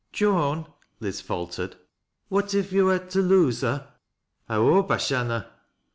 " Joan," Liz faltered, " what if yo were to lose her ?"" I hope I shanna.